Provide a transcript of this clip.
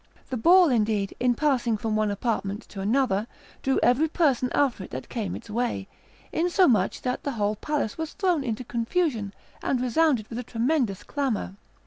The ball, indeed, in passing from one apartment to another, drew every person after it that came in its way, insomuch that the whole palace was thrown into confusion, and resounded with a tremendous clamour.